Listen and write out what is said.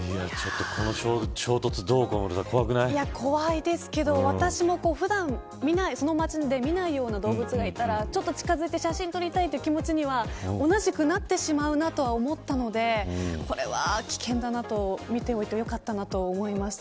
怖いですけど、私も普段その街で見ないような動物がいても、ちょっと近づいて写真を撮りたい気持ちには同じくなってしまうと思ったのでこれは危険だなと見ていてよかったなと思いました。